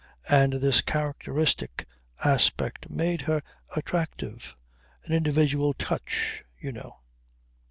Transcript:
And this characteristic aspect made her attractive; an individual touch you know.